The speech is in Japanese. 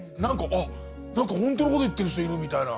あっ何かほんとのこと言ってる人いるみたいな。